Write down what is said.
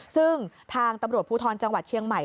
ซึ่งทางตำรวจภูทรจังหวัดเชียงใหม่